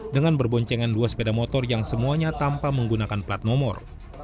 dengan berboncengan dua sepeda motor yang semuanya tanpa menggunakan plat nomor